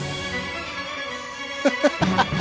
ハハハハハ！